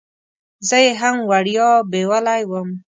زه یې هم وړیا بیولې وم.